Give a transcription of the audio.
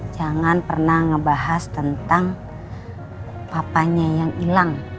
jangan pernah ngebahas tentang papanya yang hilang